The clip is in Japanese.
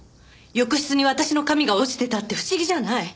浴室に私の髪が落ちてたって不思議じゃない。